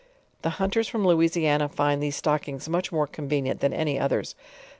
The hun ters from Louisiana find these stockings much more conve nient than any others.